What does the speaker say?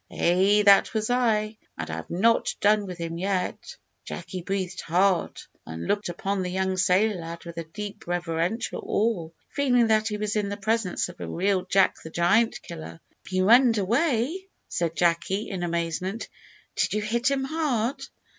"Ay, that was I, and I've not done with him yet." Jacky breathed hard and looked upon the young sailor lad with a deep reverential awe, feeling that he was in the presence of a real Jack the Giant killer. "He runn'd away!" said Jacky in amazement. "Did you hit him hard?"